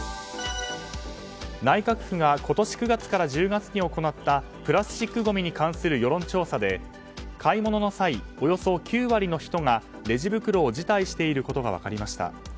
内閣府が今年９月から１０月に行ったプラスチックごみに関する世論調査で買い物の際、およそ９割の人がレジ袋を辞退していることが分かりました。